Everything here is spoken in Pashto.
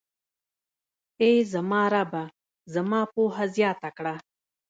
اې زما ربه، زما پوهه زياته کړه.